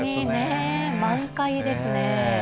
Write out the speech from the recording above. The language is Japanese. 満開ですね。